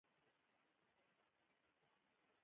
• غونډۍ د خاورو د فرسایش مخنیوی کوي.